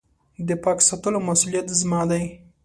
د پاک ساتلو مسولیت زما دی .